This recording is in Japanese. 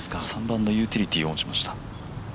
３番のユーティリティーを持ちました。